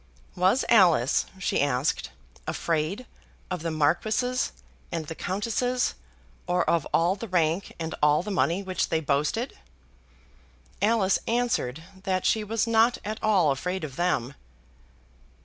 "Was Alice," she asked, "afraid of the marquises and the countesses, or of all the rank and all the money which they boasted?" Alice answered that she was not at all afraid of them.